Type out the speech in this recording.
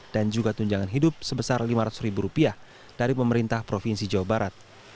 dan juga tunjangan hidup sebesar lima ratus ribu rupiah dari pemerintah provinsi jawa barat